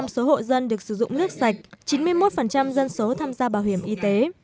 một trăm linh số hộ dân được sử dụng nước sạch chín mươi một dân số tham gia bảo hiểm y tế